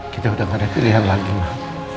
kita udah gak ada pilihan lagi mah